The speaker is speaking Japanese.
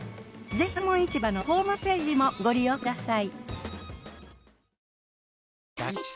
ぜひ『虎ノ門市場』のホームページもご利用ください。